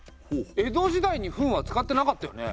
江戸時代に「分」は使ってなかったよね？